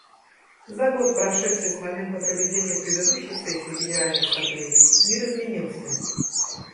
За год, прошедший с момента проведения предыдущей сессии Генеральной Ассамблеи, мир изменился.